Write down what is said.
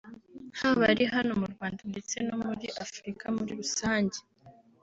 haba ari hano mu Rwanda ndetse no muri afurika muri rusange